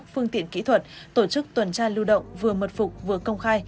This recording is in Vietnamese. phương tiện kỹ thuật tổ chức tuần tra lưu động vừa mật phục vừa công khai